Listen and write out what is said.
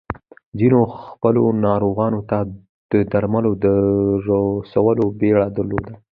ځينو خپلو ناروغانو ته د درملو د رسولو بيړه درلوده.